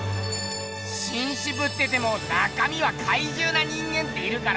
しんしぶってても中みはかいじゅうな人間っているからな。